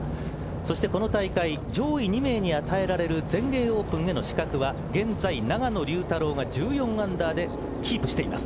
そしてこの大会上位２名に与えられる全英オープンへの資格は現在、永野竜太郎が１４アンダーでキープしています。